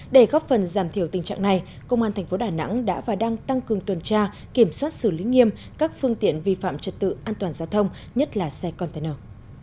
để góp phần giảm thiểu tình trạng này công an tp đà nẵng đã và đang tăng cường tuần tra kiểm soát xử lý nghiêm các phương tiện vi phạm trật tự an toàn giao thông nhất là xe container